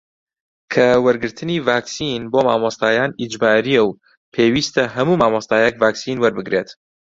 کە وەرگرتنی ڤاکسین بۆ مامۆستایان ئیجبارییە و پێویستە هەموو مامۆستایەک ڤاکسین وەربگرێت